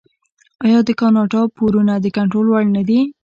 آیا د کاناډا پورونه د کنټرول وړ نه دي؟